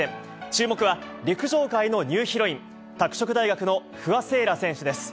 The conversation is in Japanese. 注目は、陸上界のニューヒロイン、拓殖大学の不破聖衣来選手です。